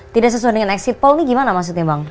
tidak sesuai dengan exit poll ini gimana maksudnya bang